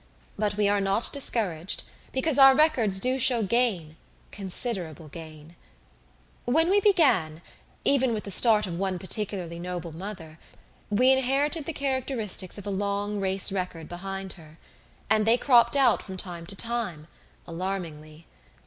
But we are not discouraged, because our records do show gain considerable gain. "When we began even with the start of one particularly noble mother we inherited the characteristics of a long race record behind her. And they cropped out from time to time alarmingly.